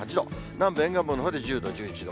南部、沿岸部のほうで１０度、１１度。